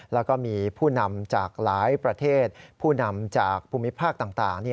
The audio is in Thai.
แล้วก็มีผู้นำจากหลายประเทศผู้นำจากภูมิภาคต่าง